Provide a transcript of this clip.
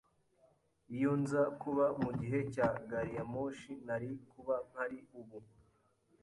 Iyo nza kuba mugihe cya gari ya moshi, nari kuba mpari ubu.